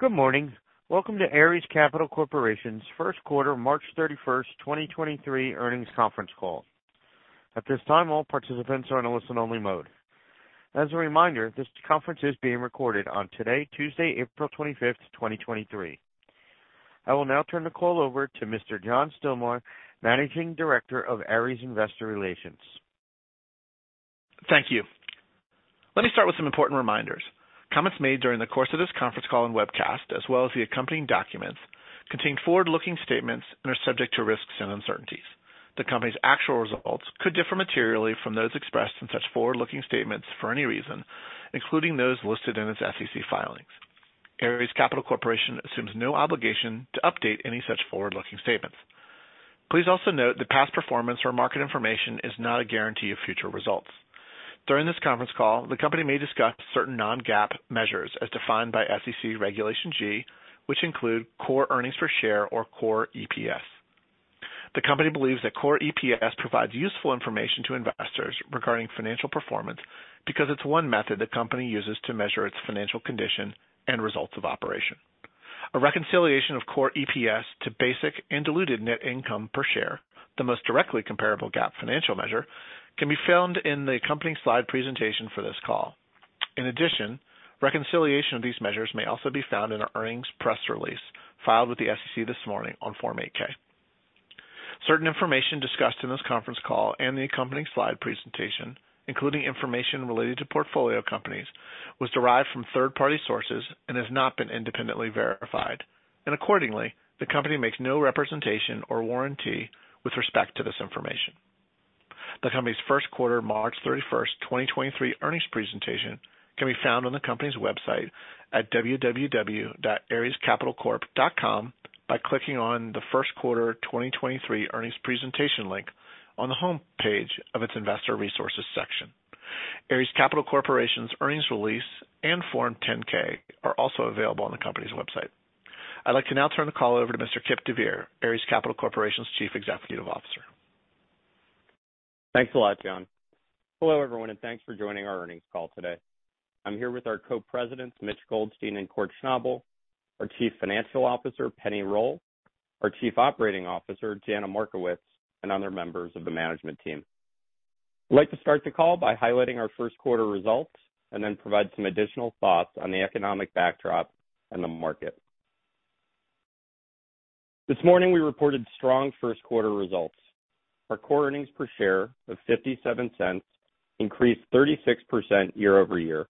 Good morning. Welcome to Ares Capital Corporation's first quarter, March 31st, 2023 earnings conference call. At this time, all participants are in a listen only mode. As a reminder, this conference is being recorded on today, Tuesday, April 25th, 2023. I will now turn the call over to Mr. John Stilmar, Managing Director of Ares Investor Relations. Thank you. Let me start with some important reminders. Comments made during the course of this conference call and webcast, as well as the accompanying documents, contain forward-looking statements and are subject to risks and uncertainties. The company's actual results could differ materially from those expressed in such forward-looking statements for any reason, including those listed in its SEC filings. Ares Capital Corporation assumes no obligation to update any such forward-looking statements. Please also note that past performance or market information is not a guarantee of future results. During this conference call, the company may discuss certain non-GAAP measures as defined by SEC Regulation G, which include core EPS. The company believes that core EPS provides useful information to investors regarding financial performance because it's one method the company uses to measure its financial condition and results of operation. A reconciliation of core EPS to basic and diluted net income per share, the most directly comparable GAAP financial measure, can be found in the accompanying slide presentation for this call. In addition, reconciliation of these measures may also be found in our earnings press release filed with the SEC this morning on Form 8-K. Certain information discussed in this conference call and the accompanying slide presentation, including information related to portfolio companies, was derived from third-party sources and has not been independently verified. Accordingly, the company makes no representation or warranty with respect to this information. The company's first quarter, March 31st, 2023 earnings presentation can be found on the company's website at www.arescapitalcorp.com by clicking on the first quarter 2023 earnings presentation link on the homepage of its Investor Resources section. Ares Capital Corporation's earnings release and Form 10-K are also available on the company's website. I'd like to now turn the call over to Mr. Kipp deVeer, Ares Capital Corporation's Chief Executive Officer. Thanks a lot, John. Hello, everyone, thanks for joining our earnings call today. I'm here with our Co-Presidents, Mitch Goldstein and Kort Schnabel, our Chief Financial Officer, Penni Roll, our Chief Operating Officer, Jana Markowicz, and other members of the management team. I'd like to start the call by highlighting our first quarter results, and then provide some additional thoughts on the economic backdrop and the market. This morning, we reported strong first quarter results. Our core earnings per share of $0.57 increased 36% year-over-year,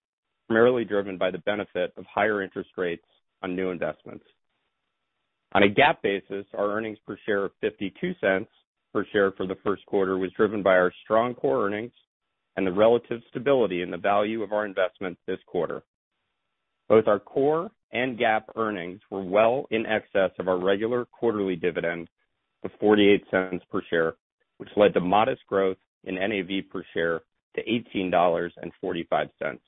primarily driven by the benefit of higher interest rates on new investments. On a GAAP basis, our earnings per share of $0.52 per share for the first quarter was driven by our strong core earnings and the relative stability in the value of our investment this quarter. Both our core and GAAP earnings were well in excess of our regular quarterly dividend of $0.48 per share, which led to modest growth in NAV per share to $18.45.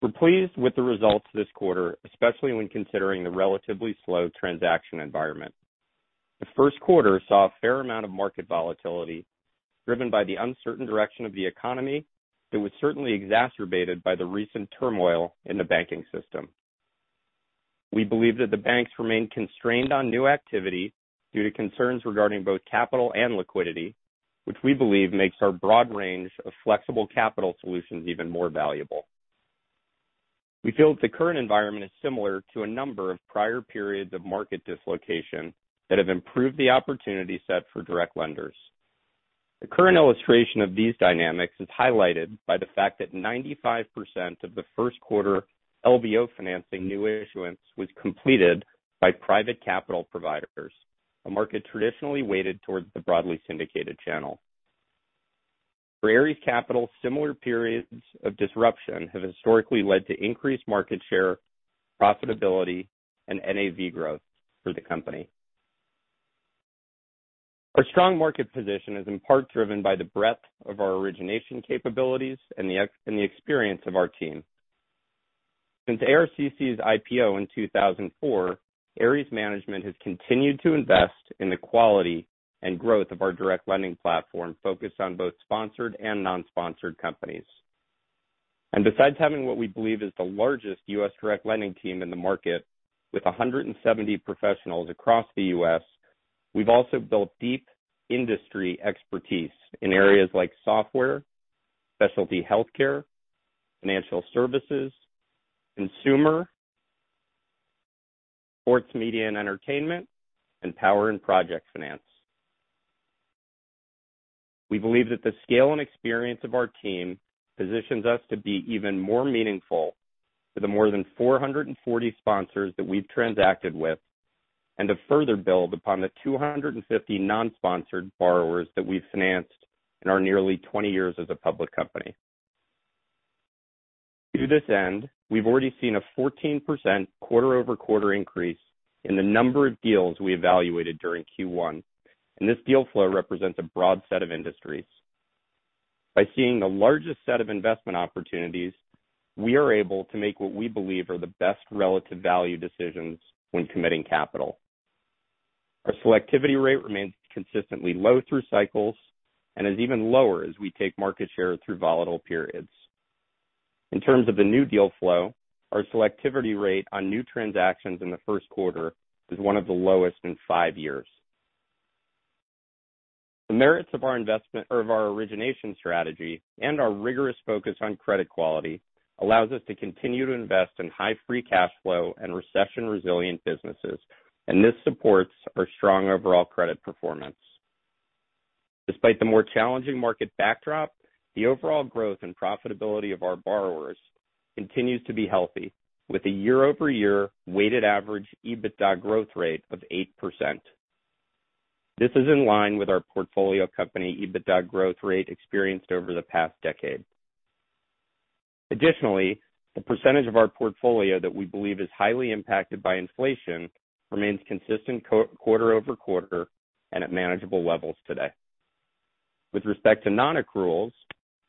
We're pleased with the results this quarter, especially when considering the relatively slow transaction environment. The first quarter saw a fair amount of market volatility driven by the uncertain direction of the economy that was certainly exacerbated by the recent turmoil in the banking system. We believe that the banks remain constrained on new activity due to concerns regarding both capital and liquidity, which we believe makes our broad range of flexible capital solutions even more valuable. We feel that the current environment is similar to a number of prior periods of market dislocation that have improved the opportunity set for direct lenders. The current illustration of these dynamics is highlighted by the fact that 95% of the first quarter LBO financing new issuance was completed by private capital providers, a market traditionally weighted towards the broadly syndicated channel. For Ares Capital, similar periods of disruption have historically led to increased market share, profitability, and NAV growth for the company. Our strong market position is in part driven by the breadth of our origination capabilities and the experience of our team. Since ARCC's IPO in 2004, Ares Management has continued to invest in the quality and growth of our direct lending platform focused on both sponsored and non-sponsored companies. Besides having what we believe is the largest U.S. direct lending team in the market with 170 professionals across the U.S., we've also built deep industry expertise in areas like software, specialty healthcare, financial services, consumer, sports, media, and entertainment, and power and project finance. We believe that the scale and experience of our team positions us to be even more meaningful to the more than 440 sponsors that we've transacted with, and to further build upon the 250 non-sponsored borrowers that we've financed in our nearly 20 years as a public company. To this end, we've already seen a 14% quarter-over-quarter increase in the number of deals we evaluated during Q1. This deal flow represents a broad set of industries. By seeing the largest set of investment opportunities, we are able to make what we believe are the best relative value decisions when committing capital. Our selectivity rate remains consistently low through cycles and is even lower as we take market share through volatile periods. In terms of the new deal flow, our selectivity rate on new transactions in the first quarter is one of the lowest in five years. The merits of our investment or of our origination strategy and our rigorous focus on credit quality allows us to continue to invest in high free cash flow and recession-resilient businesses. This supports our strong overall credit performance. Despite the more challenging market backdrop, the overall growth and profitability of our borrowers continues to be healthy, with a year-over-year weighted average EBITDA growth rate of 8%. This is in line with our portfolio company EBITDA growth rate experienced over the past decade. Additionally, the percentage of our portfolio that we believe is highly impacted by inflation remains consistent quarter-over-quarter and at manageable levels today. With respect to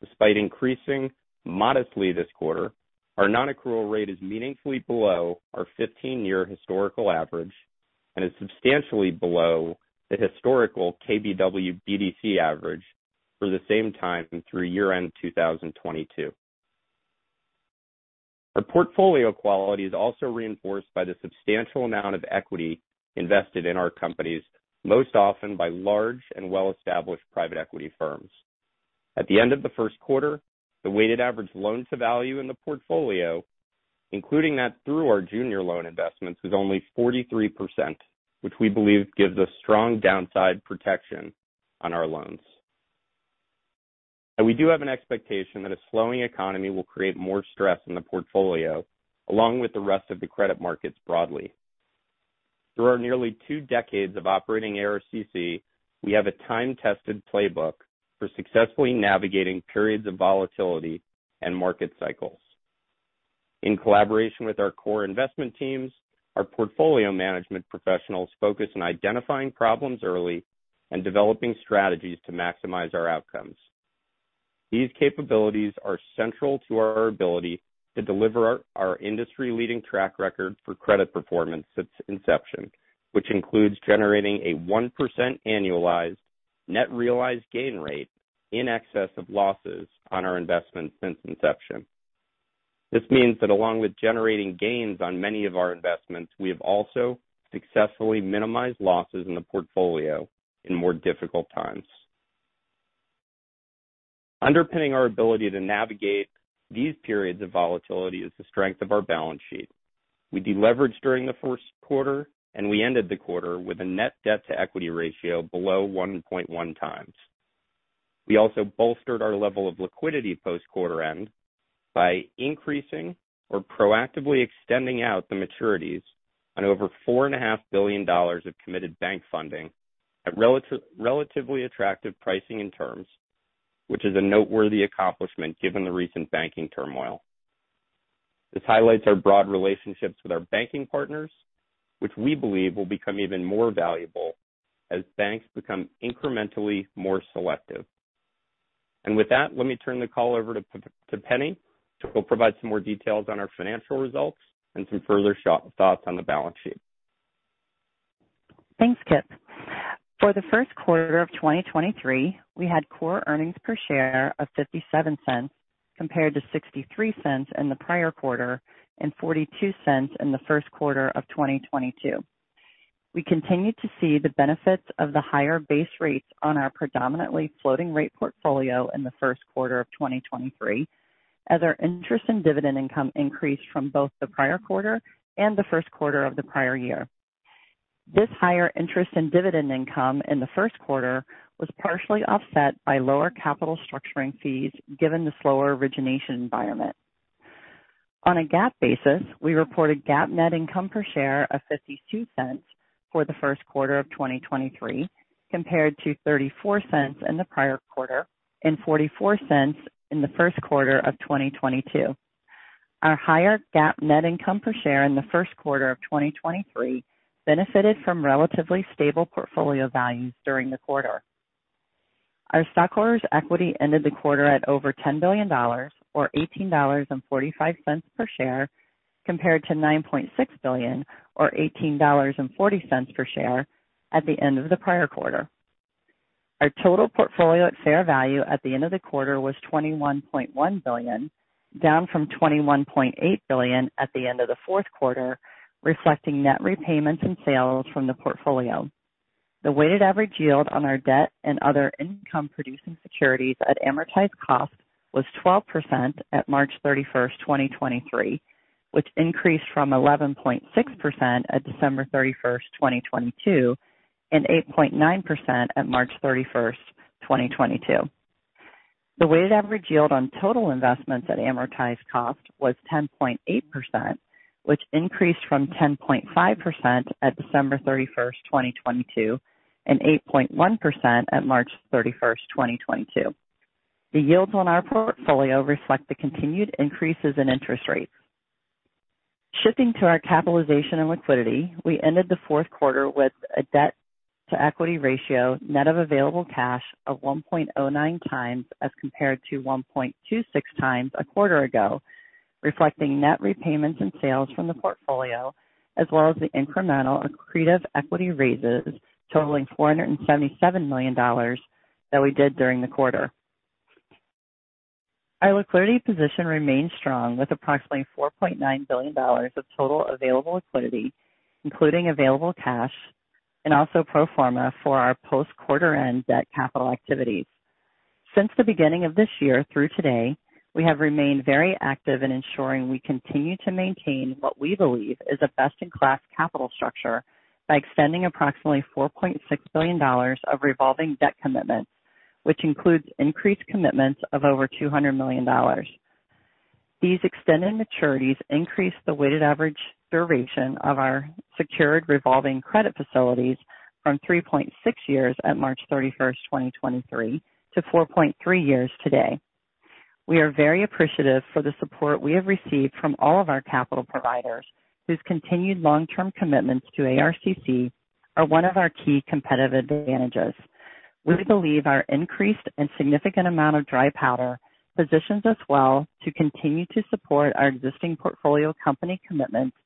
non-accruals, despite increasing modestly this quarter, our non-accrual rate is meaningfully below our 15-year historical average and is substantially below the historical KBW BDC average for the same time through year-end 2022. Our portfolio quality is also reinforced by the substantial amount of equity invested in our companies, most often by large and well-established private equity firms. At the end of the first quarter, the weighted average loan to value in the portfolio, including that through our junior loan investments, was only 43%, which we believe gives us strong downside protection on our loans. We do have an expectation that a slowing economy will create more stress in the portfolio, along with the rest of the credit markets broadly. Through our nearly two decades of operating ARCC, we have a time-tested playbook for successfully navigating periods of volatility and market cycles. In collaboration with our core investment teams, our portfolio management professionals focus on identifying problems early and developing strategies to maximize our outcomes. These capabilities are central to our ability to deliver our industry-leading track record for credit performance since inception, which includes generating a 1% annualized net realized gain rate in excess of losses on our investment since inception. This means that along with generating gains on many of our investments, we have also successfully minimized losses in the portfolio in more difficult times. Underpinning our ability to navigate these periods of volatility is the strength of our balance sheet. We deleveraged during the first quarter, we ended the quarter with a net debt-to-equity ratio below 1.1x. We also bolstered our level of liquidity post-quarter end by increasing or proactively extending out the maturities on over $4.5 billion of committed bank funding at relatively attractive pricing and terms, which is a noteworthy accomplishment given the recent banking turmoil. This highlights our broad relationships with our banking partners, which we believe will become even more valuable as banks become incrementally more selective. With that, let me turn the call over to Penni, who will provide some more details on our financial results and some further thoughts on the balance sheet. Thanks, Kipp. For the first quarter of 2023, we had core earnings per share of $0.57 compared to $0.63 in the prior quarter and $0.42 in the first quarter of 2022. We continued to see the benefits of the higher base rates on our predominantly floating rate portfolio in the first quarter of 2023 as our interest and dividend income increased from both the prior quarter and the first quarter of the prior year. This higher interest and dividend income in the first quarter was partially offset by lower capital structuring fees given the slower origination environment. On a GAAP basis, we reported GAAP net income per share of $0.52 for the first quarter of 2023, compared to $0.34 in the prior quarter and $0.44 in the first quarter of 2022. Our higher GAAP net income per share in the first quarter of 2023 benefited from relatively stable portfolio values during the quarter. Our stockholders' equity ended the quarter at over $10 billion, or $18.45 per share, compared to $9.6 billion or $18.40 per share at the end of the prior quarter. Our total portfolio at fair value at the end of the quarter was $21.1 billion, down from $21.8 billion at the end of the fourth quarter, reflecting net repayments and sales from the portfolio. The weighted average yield on our debt and other income-producing securities at amortized cost was 12% at March 31st, 2023, which increased from 11.6% at December 31st, 2022, and 8.9% at March 31st, 2022. The weighted average yield on total investments at amortized cost was 10.8%, which increased from 10.5% at December 31st, 2022, and 8.1% at March 31st, 2022. The yields on our portfolio reflect the continued increases in interest rates. Shifting to our capitalization and liquidity, we ended the fourth quarter with a debt-to-equity ratio net of available cash of 1.09x as compared to 1.26x a quarter ago. Reflecting net repayments and sales from the portfolio, as well as the incremental accretive equity raises totaling $477 million that we did during the quarter. Our liquidity position remains strong with approximately $4.9 billion of total available liquidity, including available cash and also pro forma for our post-quarter end debt capital activities. Since the beginning of this year through today, we have remained very active in ensuring we continue to maintain what we believe is a best-in-class capital structure by extending approximately $4.6 billion of revolving debt commitments, which includes increased commitments of over $200 million. These extended maturities increase the weighted average duration of our secured revolving credit facilities from 3.6 years at March 31st, 2023 to 4.3 years today. We are very appreciative for the support we have received from all of our capital providers, whose continued long-term commitments to ARCC are one of our key competitive advantages. We believe our increased and significant amount of dry powder positions us well to continue to support our existing portfolio company commitments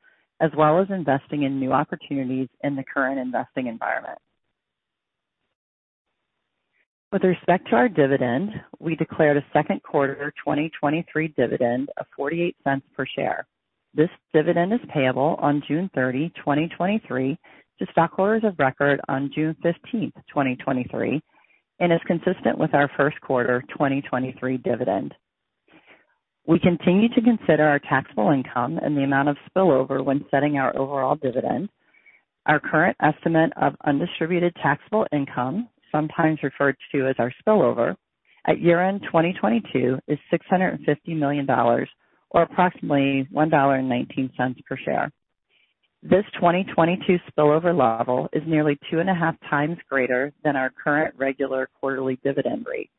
as well as investing in new opportunities in the current investing environment. With respect to our dividend, we declared a second quarter 2023 dividend of $0.48 per share. This dividend is payable on June 30, 2023 to stockholders of record on June 15, 2023, and is consistent with our first quarter 2023 dividend. We continue to consider our taxable income and the amount of spillover when setting our overall dividend. Our current estimate of undistributed taxable income, sometimes referred to as our spillover at year-end 2022, is $650 million, or approximately $1.19 per share. This 2022 spillover level is nearly 2.5x greater than our current regular quarterly dividend rate.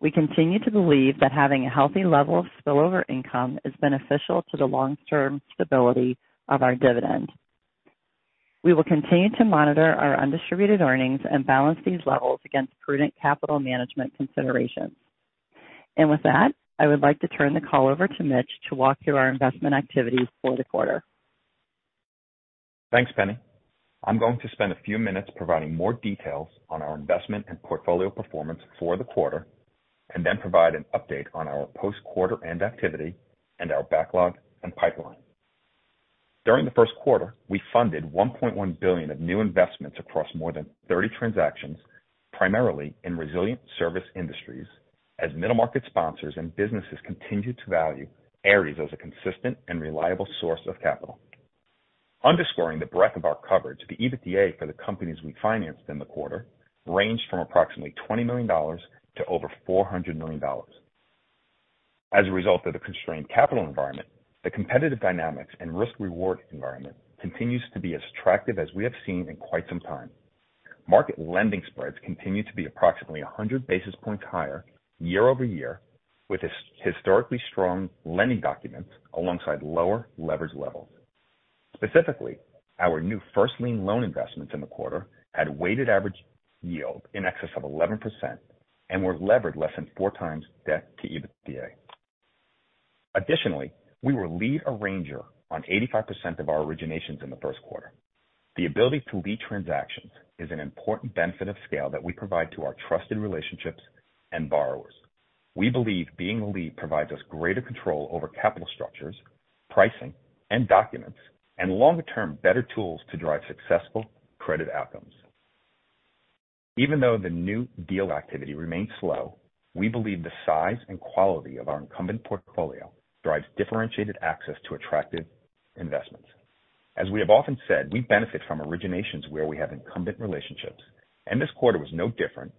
We continue to believe that having a healthy level of spillover income is beneficial to the long-term stability of our dividend. We will continue to monitor our undistributed earnings and balance these levels against prudent capital management considerations. With that, I would like to turn the call over to Mitch to walk through our investment activities for the quarter. Thanks, Penni. I'm going to spend a few minutes providing more details on our investment and portfolio performance for the quarter, and then provide an update on our post quarter and activity and our backlog and pipeline. During the first quarter, we funded $1.1 billion of new investments across more than 30 transactions, primarily in resilient service industries. Middle market sponsors and businesses continue to value Ares as a consistent and reliable source of capital. Underscoring the breadth of our coverage, the EBITDA for the companies we financed in the quarter ranged from approximately $20 million to over $400 million. A result of the constrained capital environment, the competitive dynamics and risk reward environment continues to be as attractive as we have seen in quite some time. Market lending spreads continue to be approximately 100 basis points higher year-over-year, with historically strong lending documents alongside lower leverage levels. Specifically, our new first lien loan investments in the quarter had a weighted average yield in excess of 11% and were levered less than 4x debt to EBITDA. We were lead arranger on 85% of our originations in the first quarter. The ability to lead transactions is an important benefit of scale that we provide to our trusted relationships and borrowers. We believe being the lead provides us greater control over capital structures, pricing and documents, and longer term better tools to drive successful credit outcomes. The new deal activity remains slow, we believe the size and quality of our incumbent portfolio drives differentiated access to attractive investments. As we have often said, we benefit from originations where we have incumbent relationships. This quarter was no different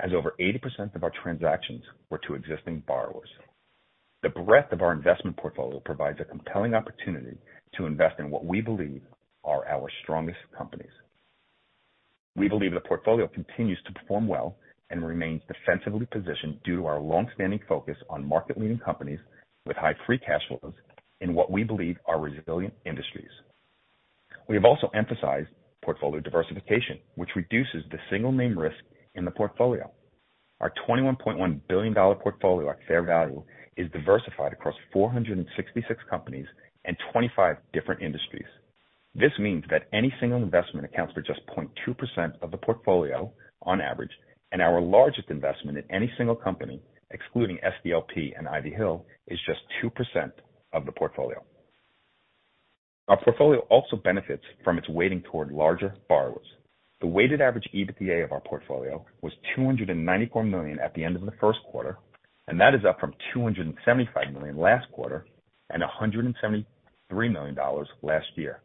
as over 80% of our transactions were to existing borrowers. The breadth of our investment portfolio provides a compelling opportunity to invest in what we believe are our strongest companies. We believe the portfolio continues to perform well and remains defensively positioned due to our long-standing focus on market leading companies with high free cash flows in what we believe are resilient industries. We have also emphasized portfolio diversification, which reduces the single name risk in the portfolio. Our $21.1 billion portfolio at fair value is diversified across 466 companies and 25 different industries. This means that any single investment accounts for just 0.2% of the portfolio on average, and our largest investment in any single company, excluding SDLP and Ivy Hill, is just 2% of the portfolio. Our portfolio also benefits from its weighting toward larger borrowers. The weighted average EBITDA of our portfolio was $294 million at the end of the first quarter, and that is up from $275 million last quarter and $173 million last year.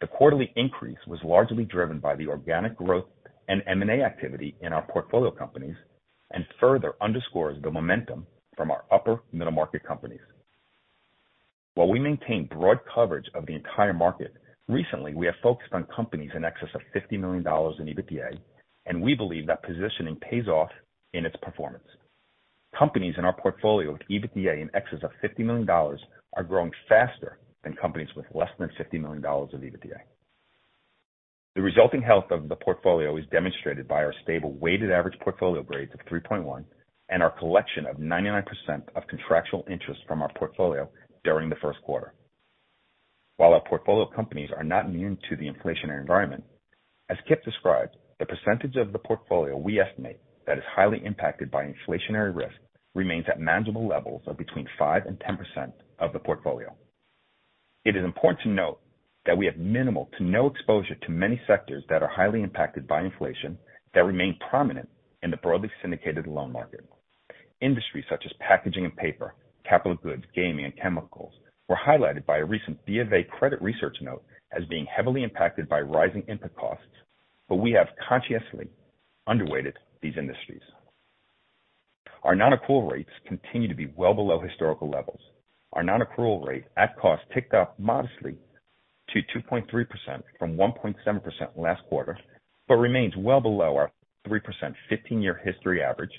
The quarterly increase was largely driven by the organic growth and M&A activity in our portfolio companies and further underscores the momentum from our upper middle market companies. While we maintain broad coverage of the entire market, recently we have focused on companies in excess of $50 million in EBITDA, and we believe that positioning pays off in its performance. Companies in our portfolio with EBITDA in excess of $50 million are growing faster than companies with less than $50 million of EBITDA. The resulting health of the portfolio is demonstrated by our stable weighted average portfolio grade of 3.1 and our collection of 99% of contractual interest from our portfolio during the first quarter. While our portfolio companies are not immune to the inflationary environment, as Kipp described, the percentage of the portfolio we estimate that is highly impacted by inflationary risk remains at manageable levels of between 5%-10% of the portfolio. It is important to note that we have minimal to no exposure to many sectors that are highly impacted by inflation that remain prominent in the broadly syndicated loan market. Industries such as packaging and paper, capital goods, gaming and chemicals were highlighted by a recent BofA credit research note as being heavily impacted by rising input costs. We have consciously underweighted these industries. Our non-accrual rates continue to be well below historical levels. Our non-accrual rate at cost ticked up modestly to 2.3% from 1.7% last quarter. Remains well below our 3% 15-year history average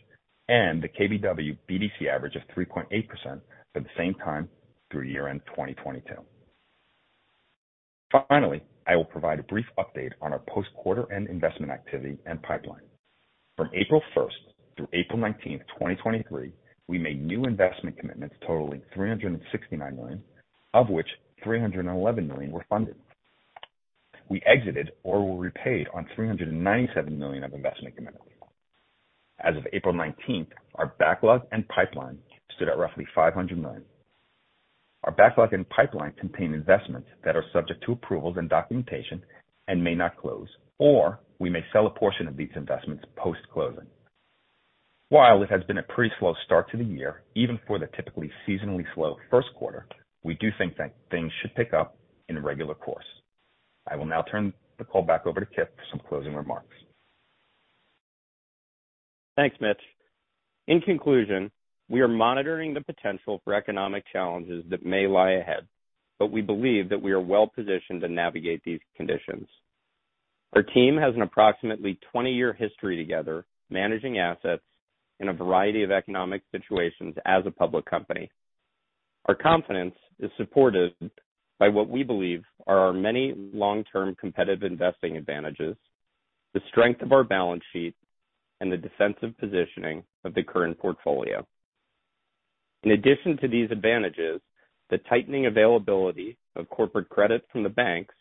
and the KBW BDC average of 3.8% for the same time through year-end 2022. Finally, I will provide a brief update on our post-quarter end investment activity and pipeline. From April 1st through April 19th, 2023, we made new investment commitments totaling $369 million, of which $311 million were funded. We exited or were repaid on $397 million of investment commitments. As of April 19th, our backlog and pipeline stood at roughly $500 million. Our backlog and pipeline contain investments that are subject to approvals and documentation and may not close, or we may sell a portion of these investments post-closing. While it has been a pretty slow start to the year, even for the typically seasonally slow first quarter, we do think that things should pick up in regular course. I will now turn the call back over to Kipp for some closing remarks. Thanks, Mitch. In conclusion, we are monitoring the potential for economic challenges that may lie ahead, but we believe that we are well positioned to navigate these conditions. Our team has an approximately 20-year history together managing assets in a variety of economic situations as a public company. Our confidence is supported by what we believe are our many long-term competitive investing advantages, the strength of our balance sheet and the defensive positioning of the current portfolio. In addition to these advantages, the tightening availability of corporate credit from the banks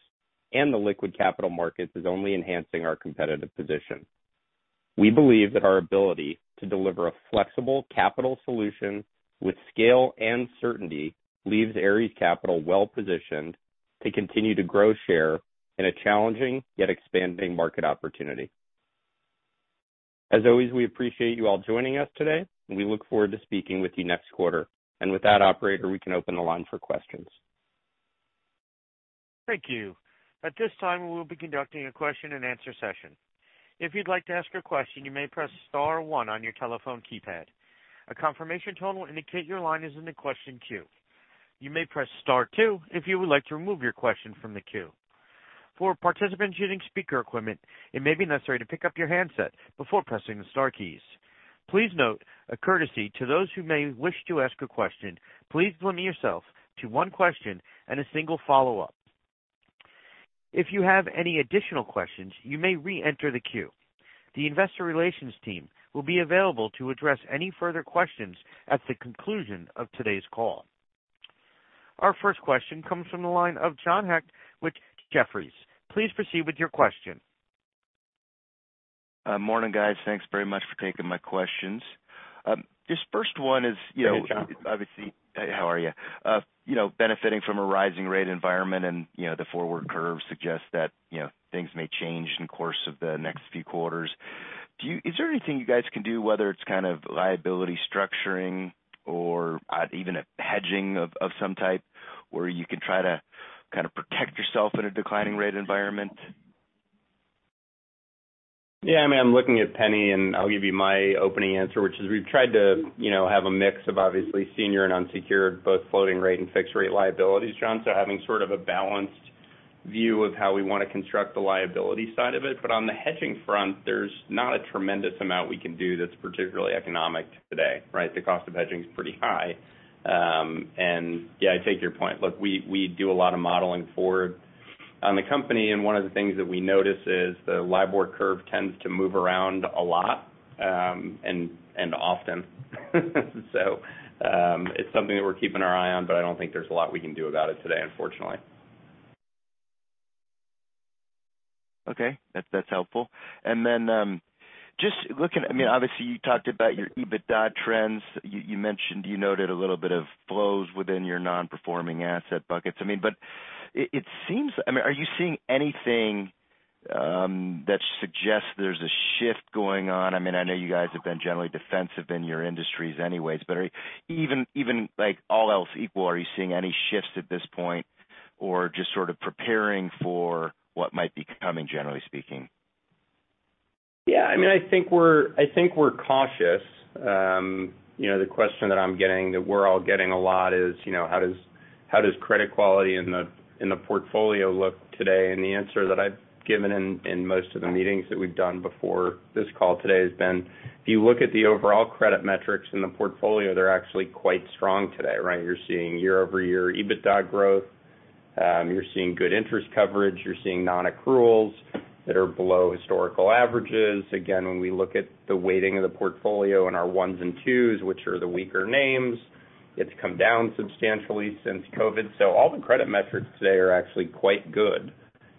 and the liquid capital markets is only enhancing our competitive position. We believe that our ability to deliver a flexible capital solution with scale and certainty leaves Ares Capital well positioned to continue to grow share in a challenging yet expanding market opportunity. As always, we appreciate you all joining us today, and we look forward to speaking with you next quarter. With that, operator, we can open the line for questions. Thank you. At this time, we will be conducting a question-and-answer session. If you'd like to ask a question, you may press star one on your telephone keypad. A confirmation tone will indicate your line is in the question queue. You may press star two if you would like to remove your question from the queue. For participants using speaker equipment, it may be necessary to pick up your handset before pressing the star keys. Please note a courtesy to those who may wish to ask a question, please limit yourself to one question and a single follow-up. If you have any additional questions, you may re-enter the queue. The investor relations team will be available to address any further questions at the conclusion of today's call. Our first question comes from the line of John Hecht with Jefferies. Please proceed with your question. Morning, guys. Thanks very much for taking my questions. Hey, John. Obviously. How are you? You know, benefiting from a rising rate environment. The forward curve suggests that, you know, things may change in the course of the next few quarters. Is there anything you guys can do, whether it's kind of liability structuring or, even a hedging of some type, where you can try to kind of protect yourself in a declining rate environment? Yeah, I mean, I'm looking at Penni, and I'll give you my opening answer, which is we've tried to, you know, have a mix of obviously senior and unsecured, both floating rate and fixed rate liabilities, John, so having sort of a balanced view of how we wanna construct the liability side of it. On the hedging front, there's not a tremendous amount we can do that's particularly economic today, right? The cost of hedging is pretty high. And yeah, I take your point. Look, we do a lot of modeling forward on the company, and one of the things that we notice is the LIBOR curve tends to move around a lot, and often. It's something that we're keeping our eye on, but I don't think there's a lot we can do about it today, unfortunately. Okay. That's, that's helpful. I mean, obviously, you talked about your EBITDA trends. You mentioned you noted a little bit of flows within your non-performing asset buckets. I mean, but it seems. I mean, are you seeing anything that suggests there's a shift going on? I mean, I know you guys have been generally defensive in your industries anyways, but are even, like, all else equal, are you seeing any shifts at this point or just sort of preparing for what might be coming, generally speaking? Yeah, I mean, I think we're, I think we're cautious. You know, the question that I'm getting, that we're all getting a lot is, you know, how does, how does credit quality in the, in the portfolio look today? The answer that I've given in most of the meetings that we've done before this call today has been, if you look at the overall credit metrics in the portfolio, they're actually quite strong today, right? You're seeing year-over-year EBITDA growth, you're seeing good interest coverage. You're seeing non-accruals that are below historical averages. Again, when we look at the weighting of the portfolio and our ones and twos, which are the weaker names, it's come down substantially since COVID. All the credit metrics today are actually quite good.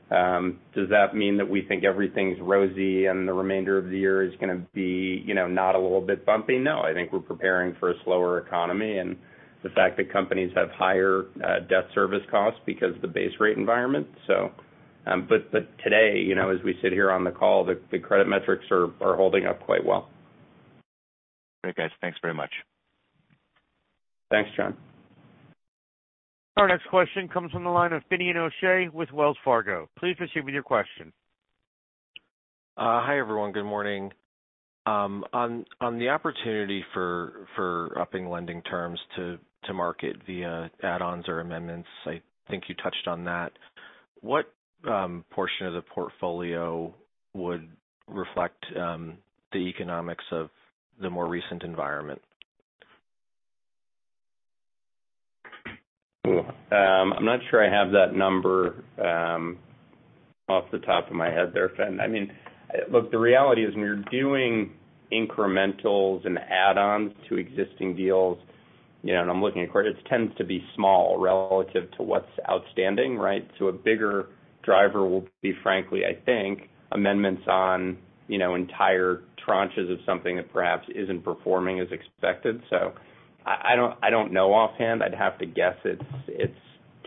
Does that mean that we think everything's rosy and the remainder of the year is gonna be, you know, not a little bit bumpy? No, I think we're preparing for a slower economy and the fact that companies have higher debt service costs because the base rate environment. Today, you know, as we sit here on the call, the credit metrics are holding up quite well. Great, guys. Thanks very much. Thanks, John. Our next question comes from the line of Finian O'Shea with Wells Fargo. Please proceed with your question. Hi, everyone. Good morning. On the opportunity for upping lending terms to market via add-ons or amendments, I think you touched on that. What portion of the portfolio would reflect the economics of the more recent environment? I'm not sure I have that number off the top of my head there, Finn. I mean, look, the reality is when you're doing incrementals and add-ons to existing deals, you know, and I'm looking at Kort, it tends to be small relative to what's outstanding, right? A bigger driver will be, frankly, I think, amendments on, you know, entire tranches of something that perhaps isn't performing as expected. I don't, I don't know offhand. I'd have to guess it's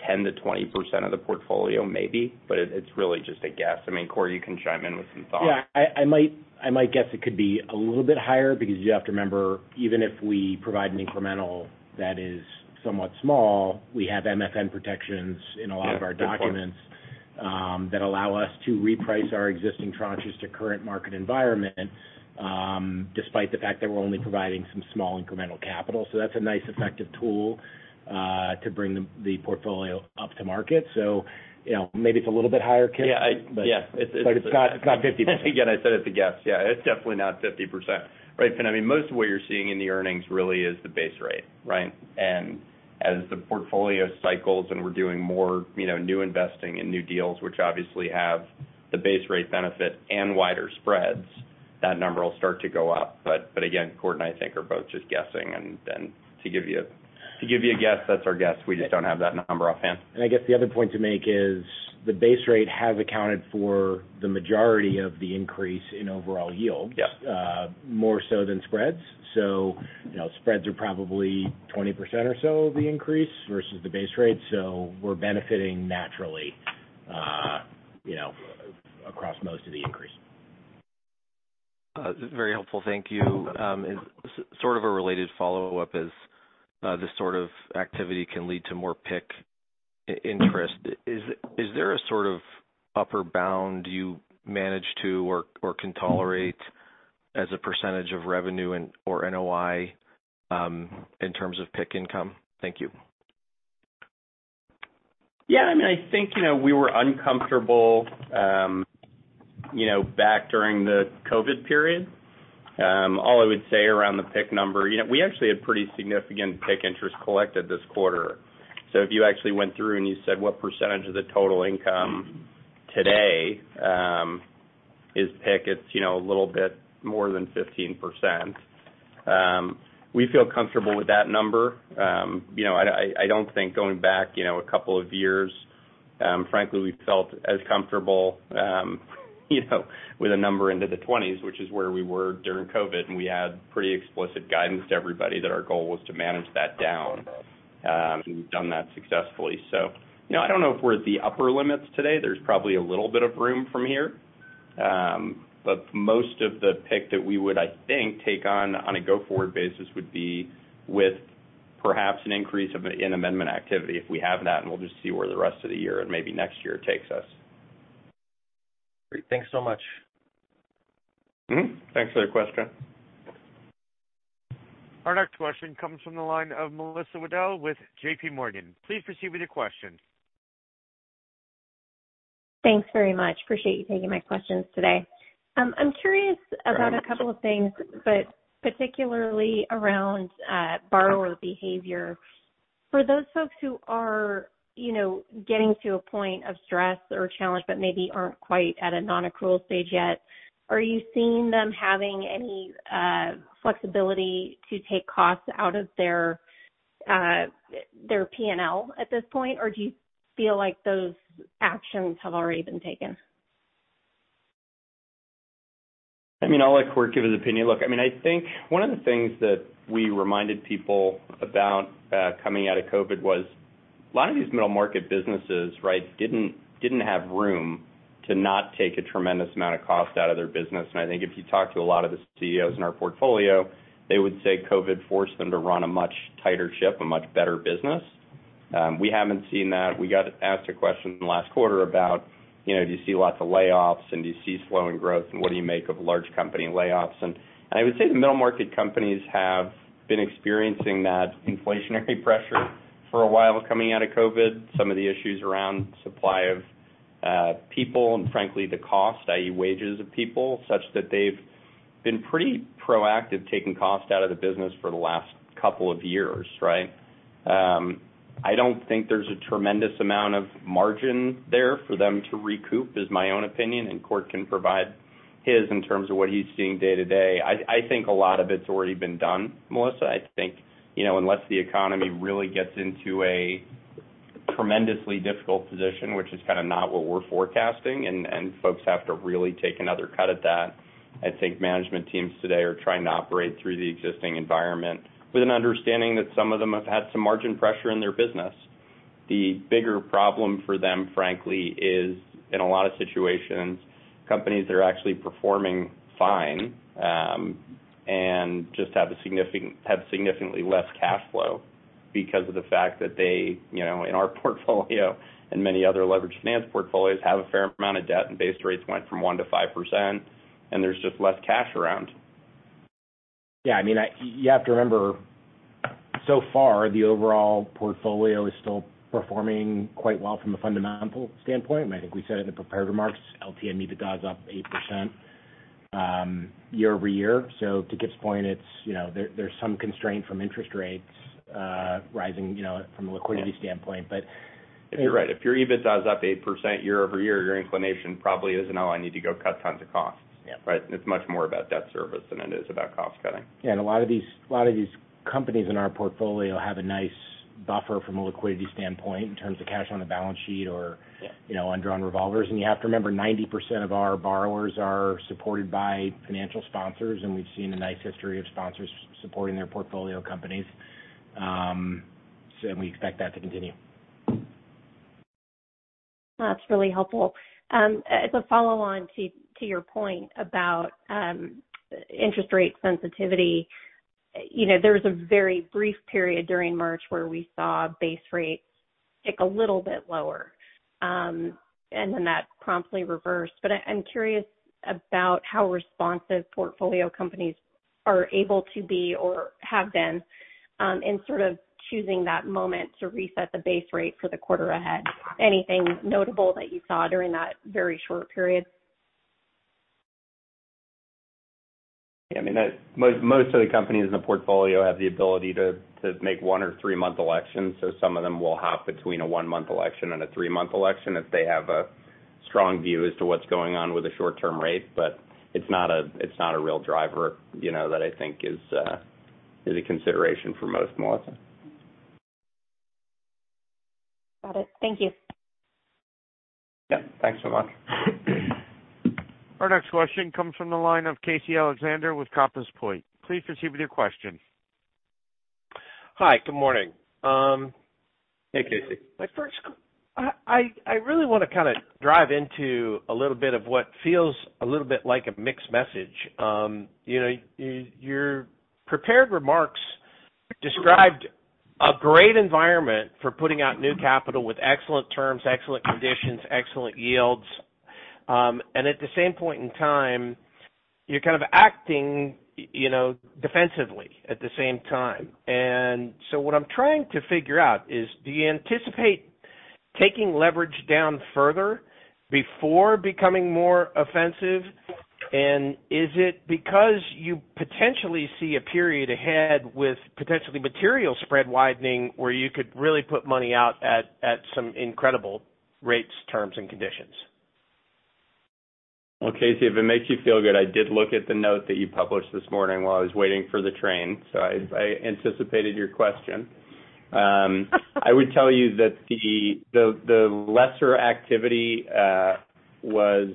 10%-20% of the portfolio maybe, but it's really just a guess. I mean, Kort, you can chime in with some thoughts. Yeah. I might guess it could be a little bit higher because you have to remember, even if we provide an incremental that is somewhat small, we have MFN protections in a lot of our documents, that allow us to reprice our existing tranches to current market environment, despite the fact that we're only providing some small incremental capital. That's a nice effective tool to bring the portfolio up to market. You know, maybe it's a little bit higher, Kipp. Yeah. It's not, it's not 50%. Again, I said it's a guess. Yeah, it's definitely not 50%, right, Fin? I mean, most of what you're seeing in the earnings really is the base rate, right? As the portfolio cycles and we're doing more, you know, new investing in new deals, which obviously have the base rate benefit and wider spreads, that number will start to go up. But again, Kort and I think are both just guessing. To give you a guess, that's our guess. We just don't have that number offhand. I guess the other point to make is the base rate has accounted for the majority of the increase in overall yield. Yeah. More so than spreads. You know, spreads are probably 20% or so of the increase versus the base rate. We're benefiting naturally, you know, across most of the increase. Very helpful. Thank you. Sort of a related follow-up is, this sort of activity can lead to more PIK interest. Is there a sort of upper bound you manage to or can tolerate as a percentage of revenue and, or NOI, in terms of PIK income? Thank you. Yeah, I mean, I think, you know, we were uncomfortable, you know, back during the COVID period. All I would say around the PIK number, you know, we actually had pretty significant PIK interest collected this quarter. If you actually went through and you said what percentage of the total income today, is PIK, it's, you know, a little bit more than 15%. We feel comfortable with that number. You know, I don't think going back, you know, a couple of years, frankly, we felt as comfortable, you know, with a number into the 20s, which is where we were during COVID, and we had pretty explicit guidance to everybody that our goal was to manage that down. We've done that successfully. You know, I don't know if we're at the upper limits today. There's probably a little bit of room from here. Most of the PIK that we would, I think, take on a go-forward basis would be with perhaps an increase of an in-amendment activity if we have that, and we'll just see where the rest of the year and maybe next year takes us. Great. Thanks so much. Mm-hmm. Thanks for the question. Our next question comes from the line of Melissa Wedel with JPMorgan. Please proceed with your question. Thanks very much. Appreciate you taking my questions today. I'm curious about a couple of things, but particularly around borrower behavior. For those folks who are, you know, getting to a point of stress or challenge but maybe aren't quite at a non-accrual stage yet, are you seeing them having any flexibility to take costs out of their P&L at this point? Do you feel like those actions have already been taken? I mean, I'll let Kort give his opinion. Look, I mean, I think one of the things that we reminded people about, coming out of COVID was a lot of these middle market businesses, right, didn't have room to not take a tremendous amount of cost out of their business. I think if you talk to a lot of the CEOs in our portfolio, they would say COVID forced them to run a much tighter ship, a much better business. We haven't seen that. We got asked a question last quarter about, you know, do you see lots of layoffs, do you see slowing growth, and what do you make of large company layoffs? I would say the middle market companies have been experiencing that inflationary pressure for a while coming out of COVID, some of the issues around supply of people, and frankly, the cost, i.e. wages of people, such that they've been pretty proactive taking cost out of the business for the last couple of years, right? I don't think there's a tremendous amount of margin there for them to recoup, is my own opinion, and Kort can provide his in terms of what he's seeing day-to-day. I think a lot of it's already been done, Melissa. I think, you know, unless the economy really gets into a tremendously difficult position, which is kinda not what we're forecasting, and folks have to really take another cut at that. I think management teams today are trying to operate through the existing environment with an understanding that some of them have had some margin pressure in their business. The bigger problem for them, frankly, is in a lot of situations, companies that are actually performing fine, and just have significantly less cash flow because of the fact that they, you know, in our portfolio and many other leverage finance portfolios have a fair amount of debt, and base rates went from 1% to 5%, and there's just less cash around. Yeah. I mean, you have to remember, so far, the overall portfolio is still performing quite well from a fundamental standpoint. I think we said in the prepared remarks, LTM EBITDA is up 8% year-over-year. To Kipp's point, it's, you know, there's some constraint from interest rates, rising, you know, from a liquidity standpoint. You're right. If your EBITDA is up 8% year-over-year, your inclination probably isn't, "oh, I need to go cut tons of costs." Yeah. Right? It's much more about debt service than it is about cost cutting. Yeah. A lot of these companies in our portfolio have a nice buffer from a liquidity standpoint in terms of cash on the balance sheet. Yeah. You know, undrawn revolvers. You have to remember, 90% of our borrowers are supported by financial sponsors, we've seen a nice history of sponsors supporting their portfolio companies. We expect that to continue. That's really helpful. As a follow on to your point about interest rate sensitivity. You know, there was a very brief period during March where we saw base rates tick a little bit lower, and then that promptly reversed. I'm curious about how responsive portfolio companies are able to be or have been, in sort of choosing that moment to reset the base rate for the quarter ahead. Anything notable that you saw during that very short period? Yeah. I mean, most of the companies in the portfolio have the ability to make one- or three-month elections, so some of them will hop between a one-month election and a three-month election if they have a strong view as to what's going on with the short-term rate. It's not a, it's not a real driver, you know, that I think is a consideration for most, Melissa. Got it. Thank you. Yeah. Thanks so much. Our next question comes from the line of Casey Alexander with Compass Point. Please proceed with your question. Hi. Good morning. Hey, Casey. I really wanna kinda drive into a little bit of what feels a little bit like a mixed message. You know, your prepared remarks described a great environment for putting out new capital with excellent terms, excellent conditions, excellent yields. At the same point in time, you're kind of acting, you know, defensively at the same time. What I'm trying to figure out is, do you anticipate taking leverage down further before becoming more offensive? Is it because you potentially see a period ahead with potentially material spread widening where you could really put money out at some incredible rates, terms, and conditions? Well, Casey, if it makes you feel good, I did look at the note that you published this morning while I was waiting for the train, I anticipated your question. I would tell you that the lesser activity was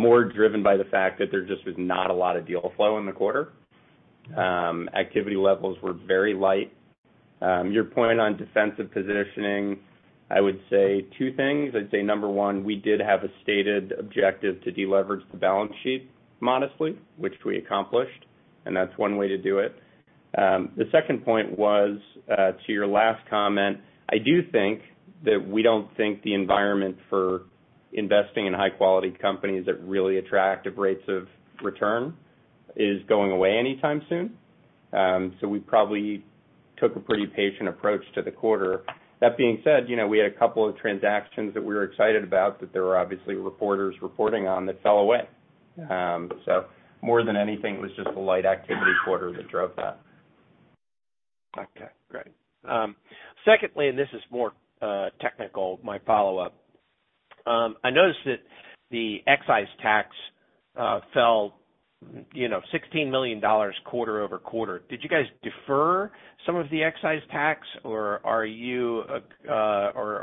more driven by the fact that there just was not a lot of deal flow in the quarter. Activity levels were very light. Your point on defensive positioning, I would say two things. I'd say number one, we did have a stated objective to deleverage the balance sheet modestly, which we accomplished, that's one way to do it. The second point was to your last comment, I do think that we don't think the environment for investing in high quality companies at really attractive rates of return is going away anytime soon. We probably took a pretty patient approach to the quarter. That being said, you know, we had a couple of transactions that we were excited about that there were obviously reporters reporting on that fell away. More than anything, it was just a light activity quarter that drove that. Okay. Great. Secondly, this is more technical, my follow-up. I noticed that the excise tax fell, you know, $16 million quarter-over-quarter. Did you guys defer some of the excise tax, or are you, or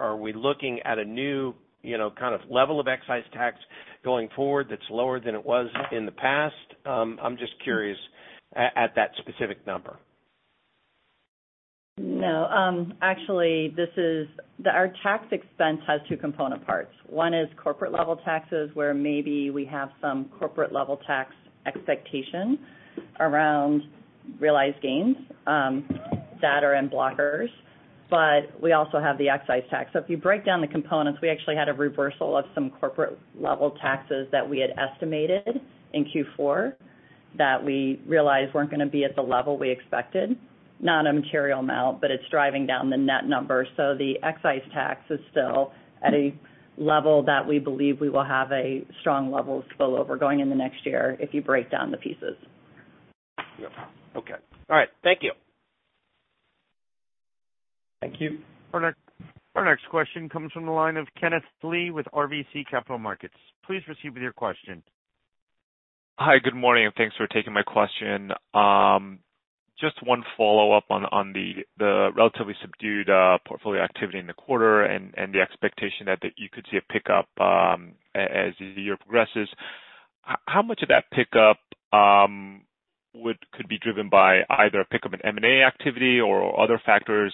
are we looking at a new, you know, kind of level of excise tax going forward that's lower than it was in the past? I'm just curious at that specific number. No. Actually, our tax expense has two component parts. One is corporate level taxes, where maybe we have some corporate level tax expectation around realized gains that are in blockers. We also have the excise tax. If you break down the components, we actually had a reversal of some corporate level taxes that we had estimated in Q4. That we realized weren't going to be at the level we expected. Not a material amount, but it's driving down the net number. The excise tax is still at a level that we believe we will have a strong level of spillover going in the next year if you break down the pieces. Yeah. Okay. All right. Thank you. Thank you. Our next question comes from the line of Kenneth Lee with RBC Capital Markets. Please proceed with your question. Hi, good morning. Thanks for taking my question. Just one follow-up on the relatively subdued portfolio activity in the quarter and the expectation that you could see a pickup as the year progresses. How much of that pickup could be driven by either a pickup in M&A activity or other factors,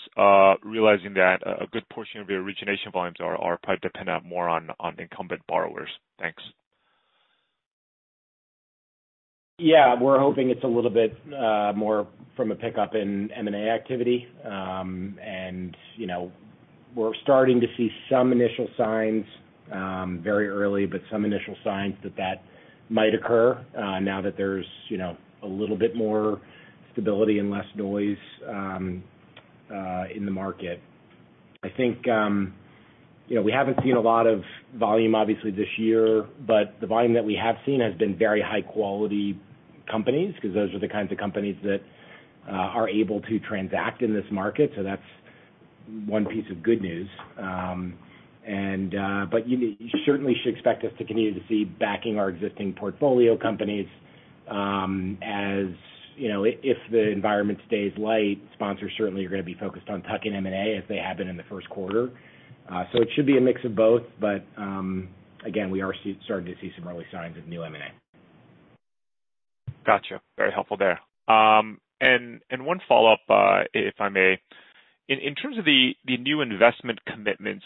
realizing that a good portion of your origination volumes are probably dependent more on incumbent borrowers? Thanks. Yeah, we're hoping it's a little bit more from a pickup in M&A activity. You know, we're starting to see some initial signs, very early, but some initial signs that that might occur, now that there's, you know, a little bit more stability and less noise in the market. I think, you know, we haven't seen a lot of volume obviously this year, but the volume that we have seen has been very high quality companies, 'cause those are the kinds of companies that are able to transact in this market. That's one piece of good news. You, you certainly should expect us to continue to see backing our existing portfolio companies, as, you know— If the environment stays light, sponsors certainly are gonna be focused on tucking M&A as they have been in the first quarter. It should be a mix of both. Again, we are starting to see some early signs of new M&A. Gotcha. Very helpful there. One follow-up, if I may. In terms of the new investment commitments,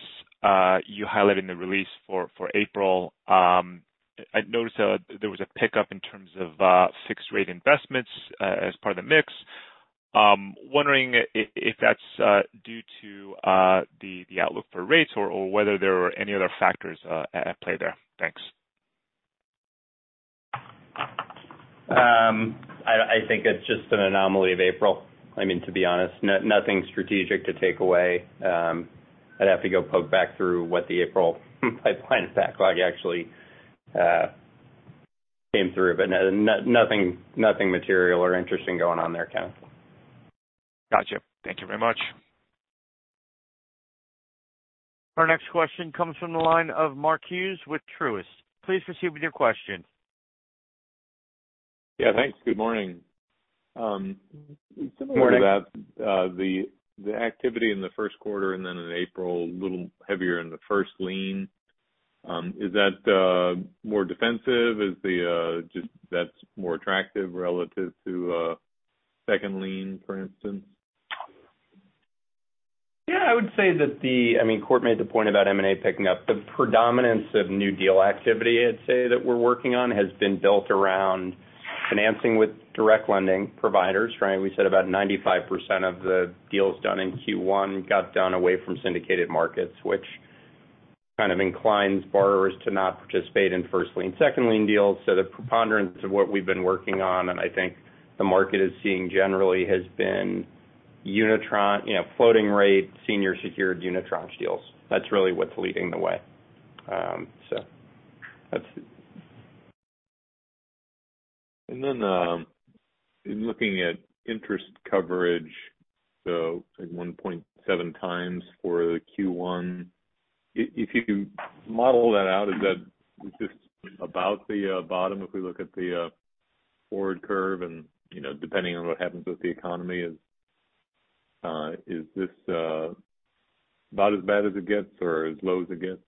you highlighted in the release for April, I noticed there was a pickup in terms of fixed rate investments as part of the mix. Wondering if that's due to the outlook for rates or whether there are any other factors at play there. Thanks. I think it's just an anomaly of April. I mean, to be honest, nothing strategic to take away. I'd have to go poke back through what the April pipeline backlog actually came through. Nothing material or interesting going on there, Kenneth. Gotcha. Thank you very much. Our next question comes from the line of Mark Hughes with Truist. Please proceed with your question. Yeah, thanks. Good morning. Good morning. Similar to that, the activity in the first quarter and then in April, a little heavier in the first lien. Is that more defensive? Is that's more attractive relative to a second lien, for instance? Yeah, I would say that I mean, Kort made the point about M&A picking up. The predominance of new deal activity, I'd say, that we're working on has been built around financing with direct lending providers, right? We said about 95% of the deals done in Q1 got done away from syndicated markets, which kind of inclines borrowers to not participate in first lien, second lien deals. The preponderance of what we've been working on, and I think the market is seeing generally, has been you know, floating rate, senior secured unitranche deals. That's really what's leading the way. So that's— Then, in looking at interest coverage, so at 1.7x for the Q1, if you model that out, is that just about the bottom if we look at the forward curve and, you know, depending on what happens with the economy, is this about as bad as it gets or as low as it gets?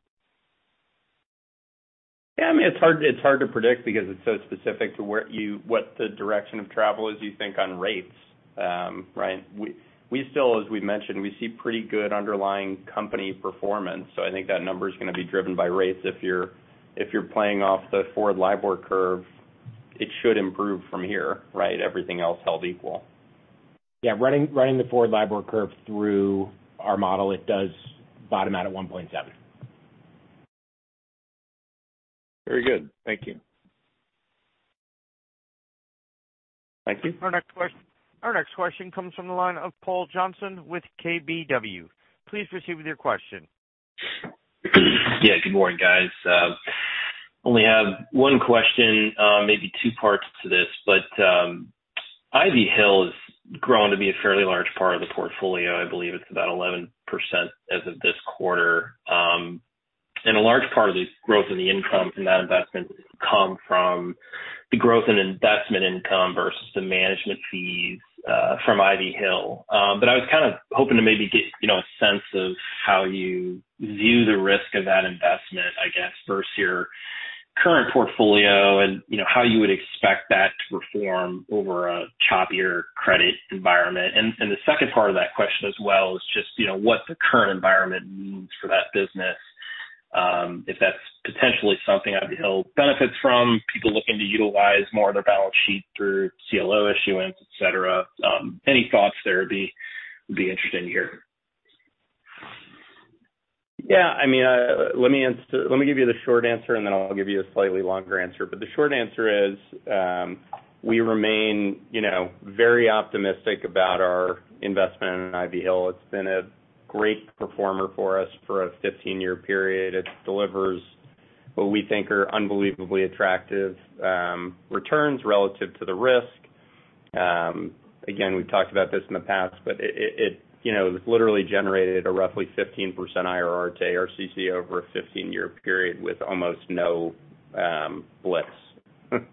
Yeah, I mean, it's hard to predict because it's so specific to what the direction of travel is you think on rates, right? We still, as we've mentioned, we see pretty good underlying company performance. I think that number is gonna be driven by rates. If you're playing off the forward LIBOR curve, it should improve from here, right? Everything else held equal. Yeah, running the forward LIBOR curve through our model, it does bottom out at 1.7x. Very good. Thank you. Thank you. Our next question comes from the line of Paul Johnson with KBW. Please proceed with your question. Yeah, good morning, guys. only have one question, maybe two parts to this, but Ivy Hill has grown to be a fairly large part of the portfolio. I believe it's about 11% as of this quarter. A large part of the growth in the income from that investment come from the growth in investment income versus the management fees from Ivy Hill. I was kind of hoping to maybe get, you know, a sense of how you view the risk of that investment, I guess, versus your current portfolio and, you know, how you would expect that to perform over a choppier credit environment. The second part of that question as well is just, you know, what the current environment means for that business, if that's potentially something Ivy Hill benefits from, people looking to utilize more of their balance sheet through CLO issuance, et cetera. Any thoughts there would be, would be interesting to hear. Yeah. I mean, let me give you the short answer, and then I'll give you a slightly longer answer. The short answer is, we remain, you know, very optimistic about our investment in Ivy Hill. It's been a great performer for us for a 15-year period. It delivers what we think are unbelievably attractive returns relative to the risk. Again, we've talked about this in the past, but it, you know, literally generated a roughly 15% IRR to ARCC over a 15-year period with almost no blips.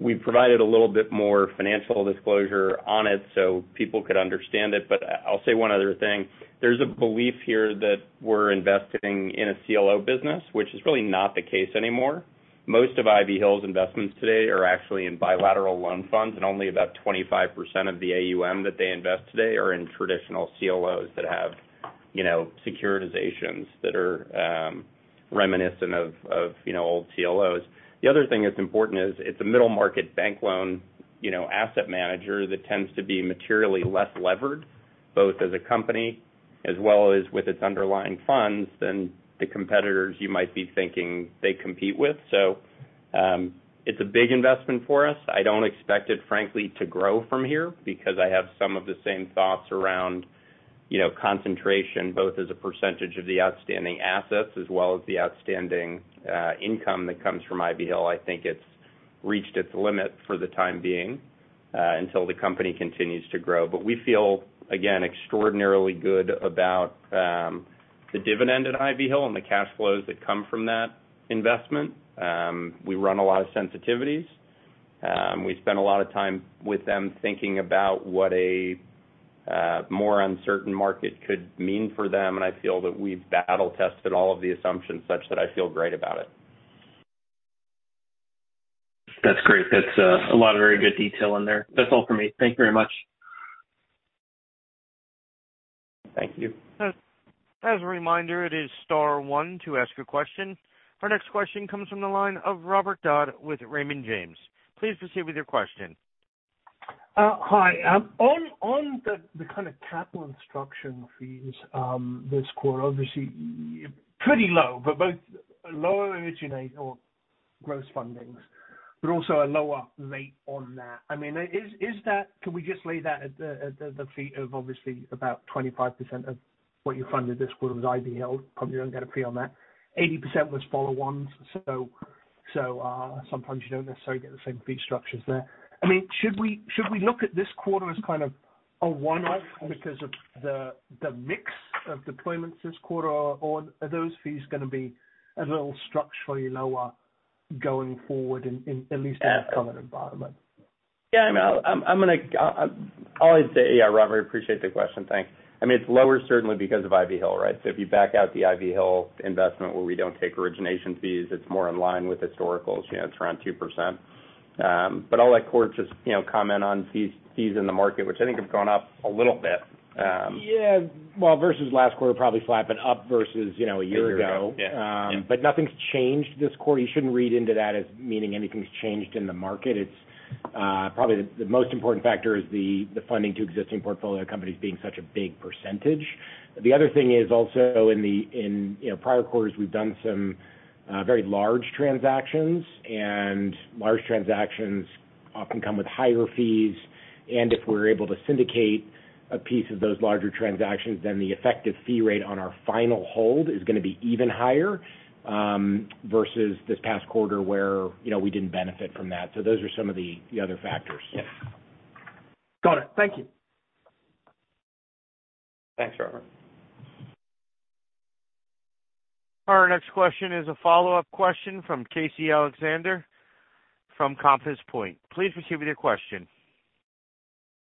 We provided a little bit more financial disclosure on it so people could understand it. I'll say one other thing. There's a belief here that we're investing in a CLO business, which is really not the case anymore. Most of Ivy Hill's investments today are actually in bilateral loan funds, only about 25% of the AUM that they invest today are in traditional CLOs that have, you know, securitizations that are reminiscent of, you know, old CLOs. The other thing that's important is it's a middle-market bank loan, you know, asset manager that tends to be materially less levered, both as a company as well as with its underlying funds than the competitors you might be thinking they compete with. It's a big investment for us. I don't expect it, frankly, to grow from here because I have some of the same thoughts around, you know, concentration, both as a percentage of the outstanding assets as well as the outstanding income that comes from Ivy Hill. I think it's reached its limit for the time being, until the company continues to grow. We feel, again, extraordinarily good about the dividend at Ivy Hill and the cash flows that come from that investment. We run a lot of sensitivities. We spend a lot of time with them thinking about what a more uncertain market could mean for them, and I feel that we've battle tested all of the assumptions such that I feel great about it. That's great. That's a lot of very good detail in there. That's all for me. Thank you very much. Thank you. As a reminder, it is star one to ask a question. Our next question comes from the line of Robert Dodd with Raymond James. Please proceed with your question. Hi. On the kind of capital instruction fees, this quarter, obviously pretty low, but both lower originate or gross fundings, but also a lower rate on that. I mean, can we just lay that at the fee of obviously about 25% of what you funded this quarter was Ivy Hill. Probably don't get a fee on that. 80% was follow-ons. So, sometimes you don't necessarily get the same fee structures there. I mean, should we look at this quarter as kind of a one-off because of the mix of deployments this quarter, or are those fees gonna be a little structurally lower going forward in at least in this current environment? Yeah. I mean, I always say. Yeah, Robert, appreciate the question. Thanks. I mean, it's lower certainly because of Ivy Hill, right? If you back out the Ivy Hill investment where we don't take origination fees, it's more in line with historical. You know, it's around 2%. I'll let Kort just, you know, comment on fees in the market, which I think have gone up a little bit. Yeah. Well, versus last quarter, probably flat, but up versus, you know, a year ago. A year ago. Yeah. Nothing's changed this quarter. You shouldn't read into that as meaning anything's changed in the market. It's probably the most important factor is the funding to existing portfolio companies being such a big percentage. The other thing is also in, you know, prior quarters, we've done some very large transactions, and large transactions often come with higher fees. If we're able to syndicate a piece of those larger transactions, then the effective fee rate on our final hold is gonna be even higher versus this past quarter where, you know, we didn't benefit from that. Those are some of the other factors. Yeah. Got it. Thank you. Thanks, Robert. Our next question is a follow-up question from Casey Alexander from Compass Point. Please proceed with your question.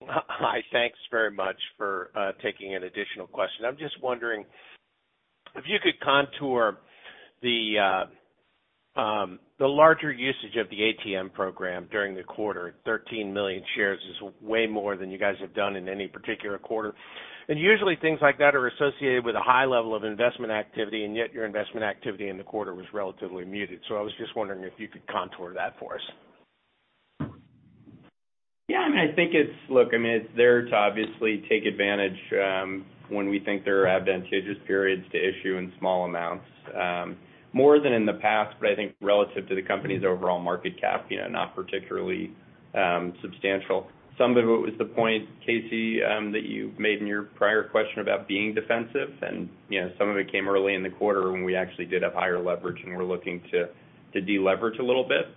Hi. Thanks very much for taking an additional question. I'm just wondering if you could contour the larger usage of the ATM program during the quarter. 13 million shares is way more than you guys have done in any particular quarter. Usually, things like that are associated with a high level of investment activity, and yet your investment activity in the quarter was relatively muted. I was just wondering if you could contour that for us. Yeah, I mean, I think it's look, I mean, it's there to obviously take advantage when we think there are advantageous periods to issue in small amounts more than in the past, but I think relative to the company's overall market cap, you know, not particularly substantial. Some of it was the point, Casey, that you made in your prior question about being defensive and, you know, some of it came early in the quarter when we actually did have higher leverage, and we're looking to deleverage a little bit.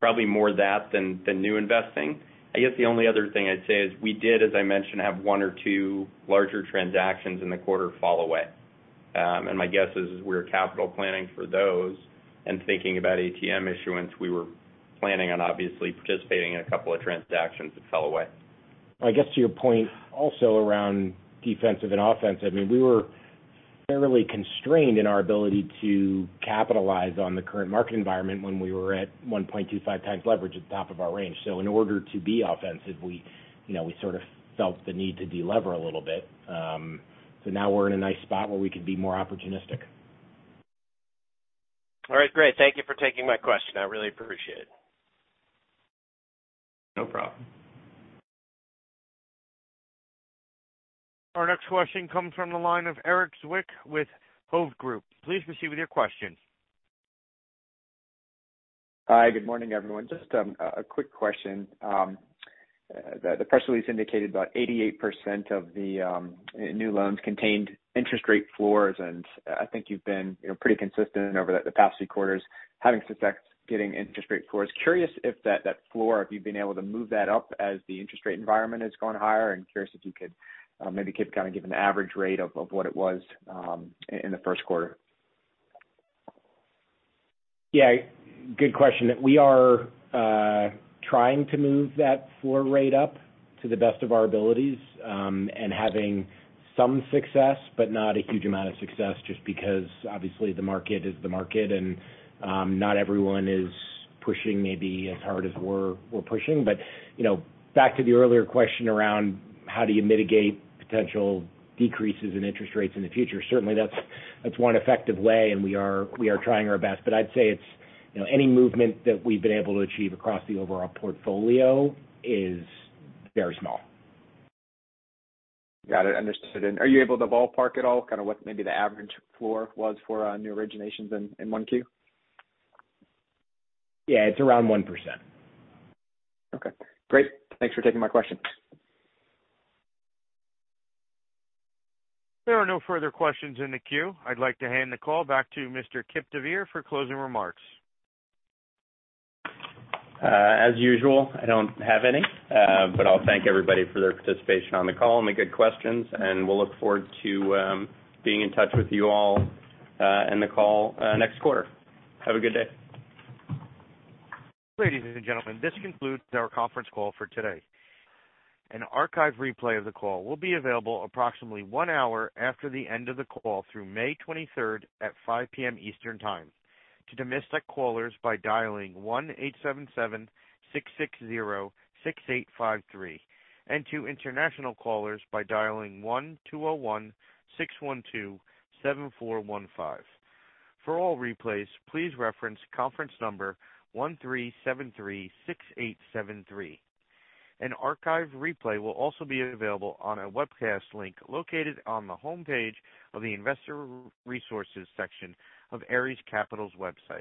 Probably more that than new investing. I guess the only other thing I'd say is we did, as I mentioned, have one or two larger transactions in the quarter fall away. My guess is we're capital planning for those and thinking about ATM issuance. We were planning on obviously participating in a couple of transactions that fell away. I guess to your point also around defensive and offensive, I mean, we were fairly constrained in our ability to capitalize on the current market environment when we were at 1.25x leverage at the top of our range. In order to be offensive, we, you know, we sort of felt the need to delever a little bit. Now we're in a nice spot where we can be more opportunistic. All right, great. Thank you for taking my question. I really appreciate it. No problem. Our next question comes from the line of Erik Zwick with Hovde Group. Please proceed with your question. Hi, good morning, everyone. Just a quick question. The press release indicated about 88% of the new loans contained interest rate floors. I think you've been, you know, pretty consistent over the past few quarters having success getting interest rate floors. Curious if that floor, if you've been able to move that up as the interest rate environment has gone higher. Curious if you could kind of give an average rate of what it was in the first quarter. Yeah, good question. We are trying to move that floor rate up to the best of our abilities, and having some success, but not a huge amount of success just because obviously the market is the market and not everyone is pushing maybe as hard as we're pushing. You know, back to the earlier question around how do you mitigate potential decreases in interest rates in the future, certainly that's one effective way and we are trying our best. I'd say it's, you know, any movement that we've been able to achieve across the overall portfolio is very small. Got it. Understood. Are you able to ballpark at all kind of what maybe the average floor was for new originations in 1Q? Yeah, it's around 1%. Okay, great. Thanks for taking my question. There are no further questions in the queue. I'd like to hand the call back to Mr. Kipp deVeer for closing remarks. As usual, I don't have any, but I'll thank everybody for their participation on the call and the good questions, and we'll look forward to being in touch with you all in the call next quarter. Have a good day. Ladies and gentlemen, this concludes our conference call for today. An archive replay of the call will be available approximately one hour after the end of the call through May 23rd at 5:00 P.M. Eastern Time to domestic callers by dialing 1-877-660-6853, and to international callers by dialing 1-201-612-7415. For all replays, please reference conference number 13736873. An archive replay will also be available on a webcast link located on the homepage of the Investor Resources section of Ares Capital's website.